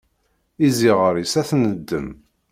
Iziɣer-is ad t-neddem.